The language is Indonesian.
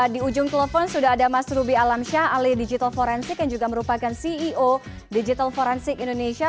di ujung telepon sudah ada mas ruby alamsyah alih digital forensik yang juga merupakan ceo digital forensik indonesia